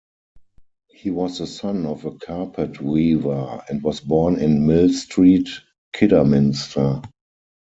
He was the son of a carpet-weaver, and was born in Mill Street, Kidderminster.